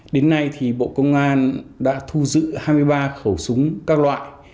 đến nay thì bộ công an đã thu giữ hai mươi ba khẩu súng các loại